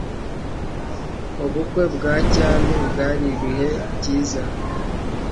Ubukwe bwa cyami bwari ibihe byiza.